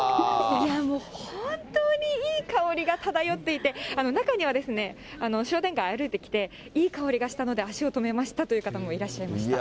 いやもう本当に、いい香りが漂っていて、中には商店街歩いてきて、いい香りがしたので、足を止めましたという方もいらっしゃいました。